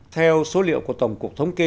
theo số liệu của tổng cục thống kê